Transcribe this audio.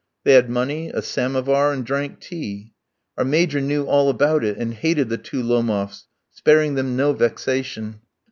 They had money, a samovar, and drank tea. Our Major knew all about it, and hated the two Lomofs, sparing them no vexation.